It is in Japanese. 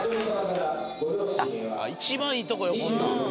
「一番いいとこよこんなん」